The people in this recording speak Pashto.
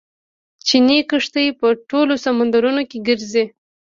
چیني کښتۍ په ټولو سمندرونو کې ګرځي.